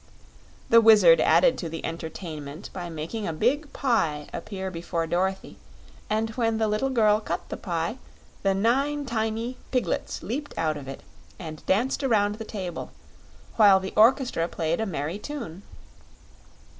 The Wizard added to the entertainment by making a big pie appear before Dorothy, and when the little girl cut the pie the nine tiny piglets leaped out of it and danced around the table, while the orchestra played a merry tune.